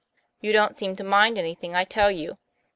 'You don't seem to mind anything I tell you.